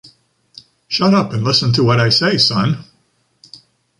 Shut up and listen to what I say, son.